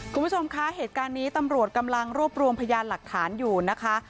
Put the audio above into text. คุณผู้ชมคะเหตุการณ์นี้ตำรวจกำลังรวบรวมพยานหลักฐานอยู่นะคะ